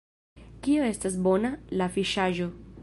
Kio estas bona? la fiŝaĵo!